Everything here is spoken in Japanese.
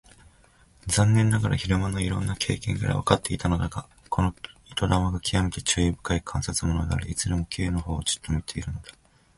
残念ながら昼間のいろいろな経験からわかっていたのだが、この糸玉がきわめて注意深い観察者であり、いつでも Ｋ のほうをじっと見ているのだ。